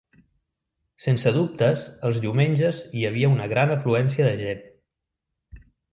Sense dubtes els diumenges hi havia una gran afluència de gent.